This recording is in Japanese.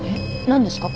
何ですか？